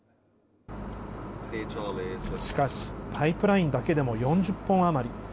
しかしパイプラインだけでも４０本余り。